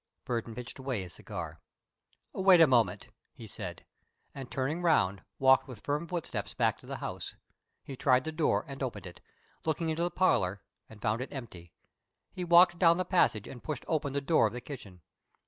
Burton pitched away his cigar. "Wait a moment," he said, and turning round, walked with firm footsteps back to the house. He tried the door and opened it, looked into the parlor and found it empty. He walked down the passage and pushed open the door of the kitchen.